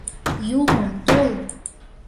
Юмо, тол!